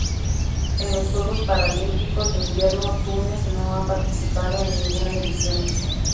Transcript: En los Juegos Paralímpicos de Invierno Túnez no ha participado en ninguna edición.